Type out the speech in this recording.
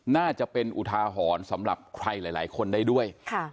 น่าจะเป็นอุทาหรณ์สำหรับใครหลายคนได้ด้วย